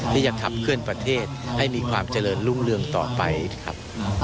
ที่จะขับเคลื่อนประเทศให้มีความเจริญรุ่งเรืองต่อไปครับ